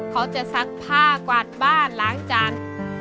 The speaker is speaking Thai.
ซักผ้ากวาดบ้านล้างจาน